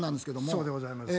そうでございますよ。